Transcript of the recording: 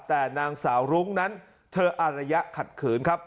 แต่นางสาวรุ้งนั้นเธออารยะขัดขืนครับ